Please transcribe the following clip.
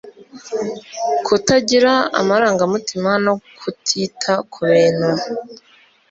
Kutagira amarangamutima no kutita ku bintu